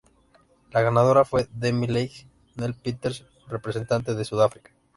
La ganadora fue Demi-Leigh Nel-Peters representante de Sudáfrica.